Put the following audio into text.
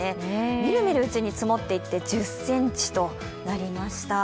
みるみるうちに積もっていって１０ｃｍとなりました。